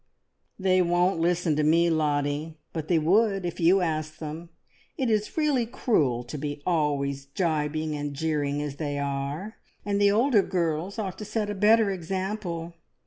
"They won't listen to me, Lottie, but they would if you asked them. It is really cruel to be always gibing and jeering as they are, and the older girls ought to set a better example.